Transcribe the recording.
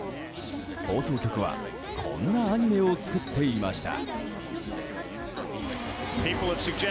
放送局はこんなアニメを作っていました。